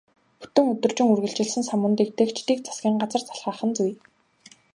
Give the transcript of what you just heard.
Бүтэн өдөржин үргэлжилсэн самуун дэгдээгчдийг засгийн газар залхаах нь зүй.